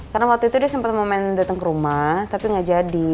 karena waktu itu dia sempet mau main dateng ke rumah tapi gak jadi